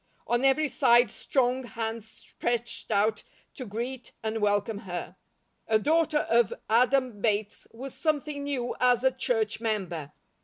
On every side strong hands stretched out to greet and welcome her. A daughter of Adam Bates was something new as a church member.